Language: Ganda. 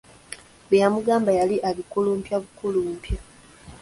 Bye yamugamba yali abikuluppya bukuluppya.